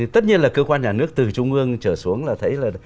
tất nhiên là cơ quan nhà nước từ trung ương trở xuống là thấy là